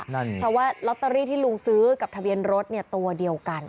เพราะว่าลอตเตอรี่ที่ลุงซื้อกับทะเบียนรถตัวเดียวกัน